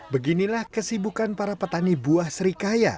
beginilah kesibukan para petani buah serikaya